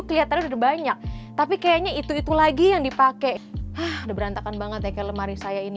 kelihatannya udah banyak tapi kayaknya itu itu lagi yang dipakai udah berantakan banget ya ke lemari saya ini